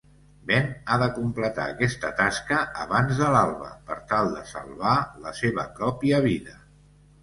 Ben ha de completar aquesta tasca abans de l'alba per tal de salvar la seva pròpia vida.